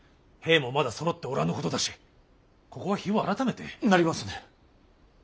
兵もまだそろっておらぬことだしここは日を改めて。なりませぬ。